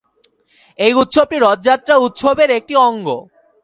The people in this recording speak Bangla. এই উৎসবটি রথযাত্রা উৎসবের একটি অঙ্গ।